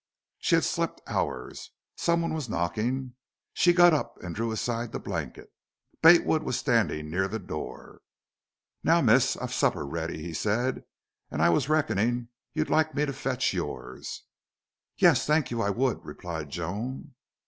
She had slept hours. Someone was knocking. She got up and drew aside the blanket. Bate Wood was standing near the door. "Now, miss, I've supper ready," he said, "an' I was reckonin' you'd like me to fetch yours." "Yes, thank you, I would," replied Joan.